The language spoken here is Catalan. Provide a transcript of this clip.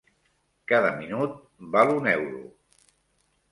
Cada minut val un euro.